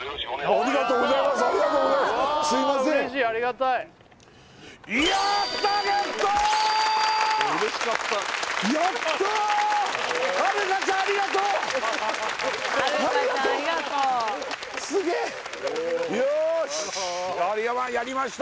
ありがとうございますよしよし